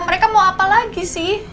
mereka mau apa lagi sih